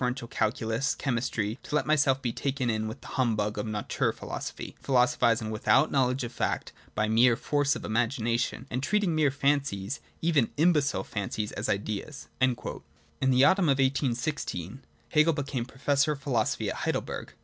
xv tial calculus, chemistry, to let myself be taken in by the humbug of SRatuvp^ilcfo^il^ie, philosophising without knowledge of fact and by mere force of imagination, and treating mere fancies, even imbecile fancies, as Ideas.' In the autumn of 1816 Hegel became professor of philosophy at Heidelberg.